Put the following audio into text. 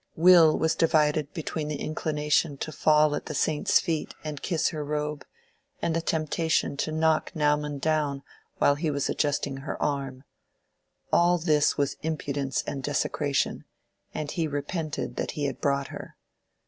Will was divided between the inclination to fall at the Saint's feet and kiss her robe, and the temptation to knock Naumann down while he was adjusting her arm. All this was impudence and desecration, and he repented that he had brought her.